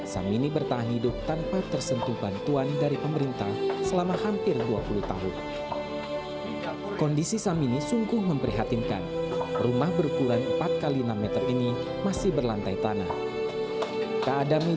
samini terpaksa harus menumpang di rumah tetangga